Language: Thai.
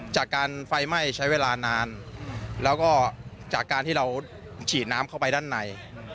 จากการไฟไหม้ใช้เวลานานแล้วก็จากการที่เราฉีดน้ำเข้าไปด้านใน